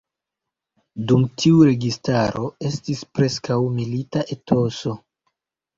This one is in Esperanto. Dum tiu registaro estis preskaŭ milita etoso.